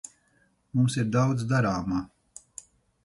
Mums ir daudz darāmā.